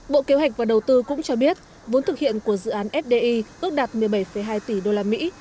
bộ kế hoạch và đầu tư cũng cho biết vốn thực hiện của dự án fdi ước đạt một mươi bảy hai tỷ đô la mỹ